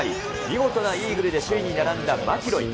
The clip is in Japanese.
見事なイーグルで首位に並んだマキロイ。